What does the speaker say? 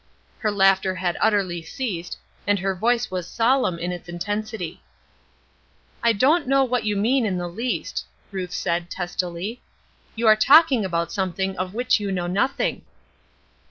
Her laughter had utterly ceased, and her voice was solemn in its intensity. "I don't know what you mean in the least," Ruth said, testily. "You are talking about something of which you know nothing."